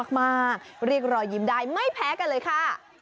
มากเรียกรอยยิ้มได้ไม่แพ้กันเลยค่ะ